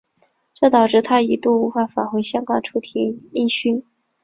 这导致他一度无法返回香港出庭应讯。